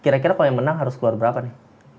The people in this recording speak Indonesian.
kira kira kalau yang menang harus keluar berapa nih